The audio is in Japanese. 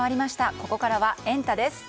ここからはエンタ！です。